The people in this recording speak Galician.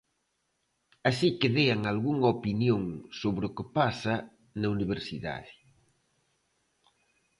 Así que dean algunha opinión sobre o que pasa na universidade.